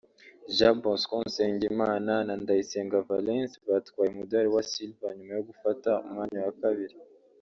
Jean Bosco Nsengimana na Ndayisenga Valens batwaye umudali wa Silver nyuma yo gufata umwanya wa kabiri